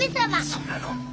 そうなの。